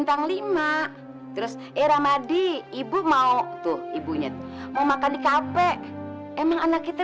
heather bintang lima terus irama di ibu mau tuh ibunya mau makan di capek emang anak kita